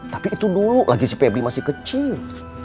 tapi itu dulu lagi si pebi masih kecil